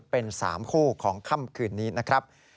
เป็น๓คู่ของค่ำคืนนี้นะครับ